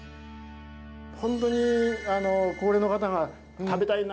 ホントに高齢の方が「食べたいな」